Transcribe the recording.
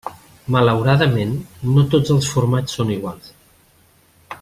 Malauradament, no tots els formats són iguals.